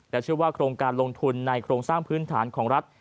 เชื่อว่าโครงการลงทุนในโครงสร้างพื้นฐานของรัฐ